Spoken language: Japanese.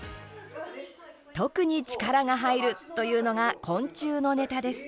特に力が入るというのが昆虫のネタです。